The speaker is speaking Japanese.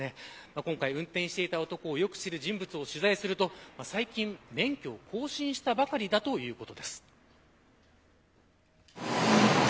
今回、運転していた男をよく知る人物を取材すると最近、免許を更新したばかりだということです。